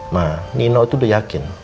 nah nino itu udah yakin